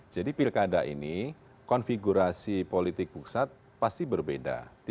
jadi pilkada ini konfigurasi politik pusat pasti berbeda